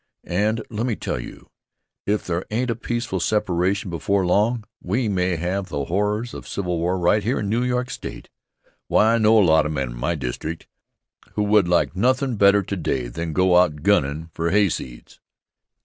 And, let me tell you, if there ain't a peaceful separation before long, we may have the horrors of civil war right here in New York State. Why, I know a lot of men in my district who would like nothin' better today than to go out gunnin' for hayseeds!